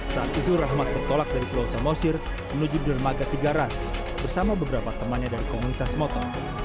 saat itu rahmat bertolak dari pulau samosir menuju dermaga tiga ras bersama beberapa temannya dari komunitas motor